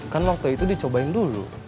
kan waktu itu dicobain dulu